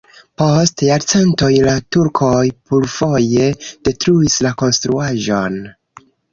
Post jarcentoj la turkoj plurfoje detruis la konstruaĵon.